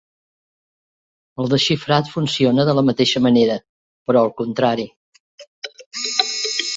El desxifrat funciona de la mateixa manera, però al contrari.